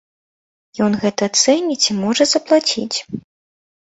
Ён гэта цэніць і можа заплаціць.